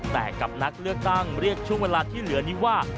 แต่กับนักเลือกตั้งเรียกช่วงเวลาที่เหลือนี้ว่า